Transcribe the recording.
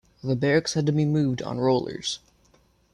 The barracks had to be moved on rollers.